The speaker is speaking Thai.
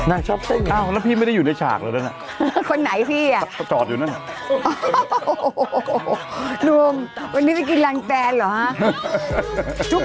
อ่าวพี่ไม่ได้อ่ะคนนี้ตัวหรอฮะทุกคนโดนพร้อมเพียงเลย